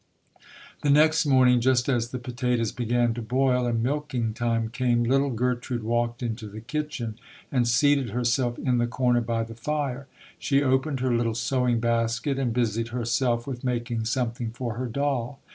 The next morning, just as the potatoes began SOJOUENEK TRUTH [ 211 to boil and milking time came, little Gertrude walked into the kitchen and seated herself in the Corner by the fire. She opened her little sewing basket and busied herself with making something for her doll.